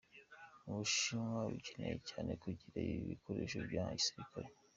"Ubushinwa bucyeneye cyane kugira ibi bikoresho bya gisirikare.